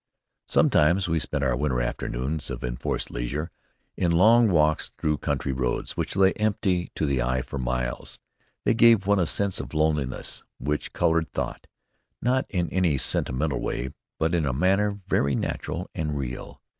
Sometimes we spent our winter afternoons of enforced leisure in long walks through country roads which lay empty to the eye for miles. They gave one a sense of loneliness which colored thought, not in any sentimental way, but in a manner very natural and real.